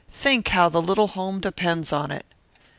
Think how the little home depends on it."